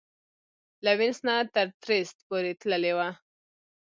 له وینس نه تر ترېسټ پورې تللې وه.